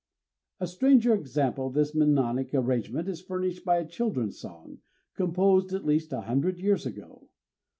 _ A stranger example of this mnemonic arrangement is furnished by a children's song, composed at least a hundred years ago.